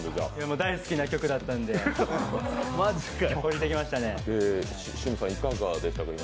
大好きな曲だったんでおりてきましたね。